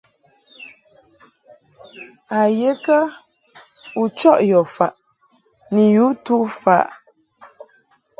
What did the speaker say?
A ye kə u chɔʼ yɔ faʼ ni yu tu faʼ ?